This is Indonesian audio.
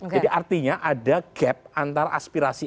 jadi artinya ada gap antara aspirasi